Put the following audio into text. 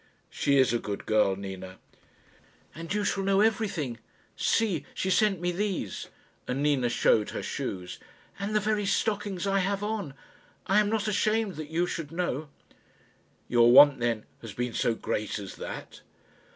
"She is a good girl, Nina." "And you shall know everything; see she sent me these," and Nina showed her shoes; "and the very stockings I have on; I am not ashamed that you should know." "Your want, then, has been so great as that?"